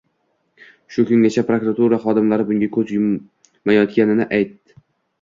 Shu kungacha prokuratura xodimlari bunga koʻz yumayotganini aytd.